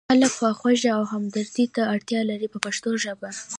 خلک خواخوږۍ او همدردۍ ته اړتیا لري په پښتو ژبه.